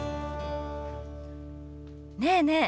ねえねえ